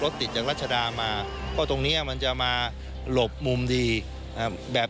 ติดจากรัชดามาเพราะตรงเนี้ยมันจะมาหลบมุมดีแบบ